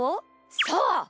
そう！